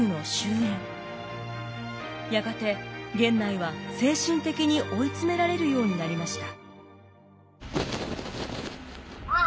やがて源内は精神的に追い詰められるようになりました。